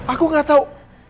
aku gak tau